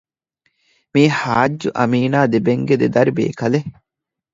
މީ ޙާއްޖު އަމީނާ ދެބެންގެ ދެދަރި ބޭކަލެއް